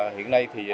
hiện nay thì